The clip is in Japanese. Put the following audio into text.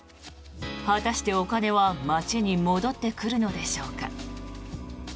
果たして、お金は町に戻ってくるのでしょうか。